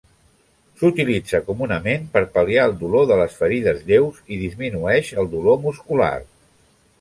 S'utilitza comunament per pal·liar el dolor de les ferides lleus i disminueix el dolor muscular.